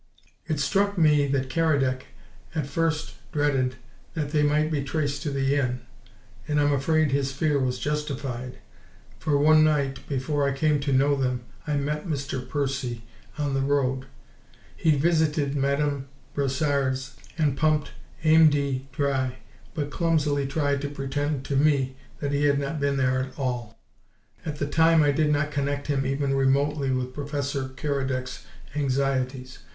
It struck me that Keredec at first dreaded that they might be traced to the inn, and I'm afraid his fear was justified, for one night, before I came to know them, I met Mr. 'Percy' on the road; he'd visited Madame Brossard's and pumped Amedee dry, but clumsily tried to pretend to me that he had not been there at all. At the time, I did not connect him even remotely with Professor Keredec's anxieties.